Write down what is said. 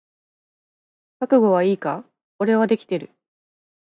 覚悟はいいか？俺はできてる。